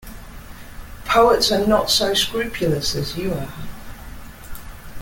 Poets are not so scrupulous as you are.